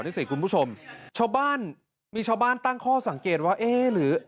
นี่สิคุณผู้ชมชาวบ้านมีชาวบ้านตั้งข้อสังเกตว่าเอ๊ะหรือ